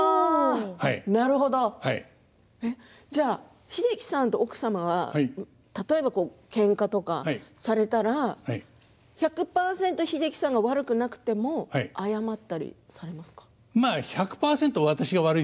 なるほど英樹さんと奥様は例えば、けんかとかされたら１００％英樹さんが悪くなくても謝ったりされますか。